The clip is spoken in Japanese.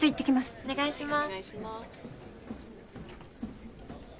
お願いします。